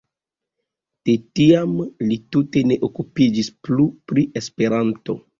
De tiam li tute ne okupiĝis plu pri Esperanto.